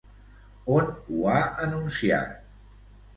On ho ha anunciat?